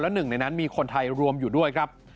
หนึ่งในนั้นมีคนไทยรวมอยู่ด้วยครับ